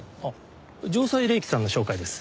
城西冷機さんの紹介です。